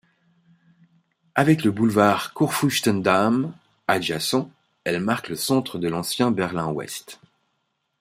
Avec le boulevard Kurfürstendamm adjacent, elle marque le centre de l'ancien Berlin-Ouest.